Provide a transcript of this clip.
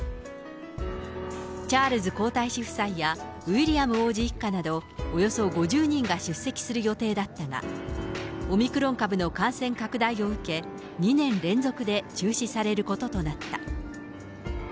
チャールズ皇太子夫妻やウィリアム王子一家などおよそ５０人が出席する予定だったが、オミクロン株の感染拡大を受け、２年連続で中止されることとなった。